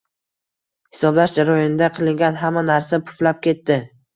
Hisoblash jarayonida qilingan hamma narsa puflab ketdi